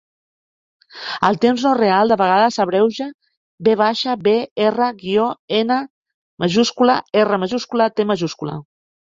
El temps no real de vegades s'abreuja vbr-NRT.